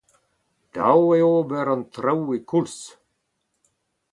Dav eo ober an traoù e koulz.